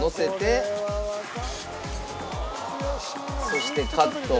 そしてカット。